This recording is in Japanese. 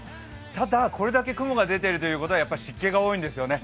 ただ、これだけ雲が出ているということはやっぱり湿気が多いんですよね。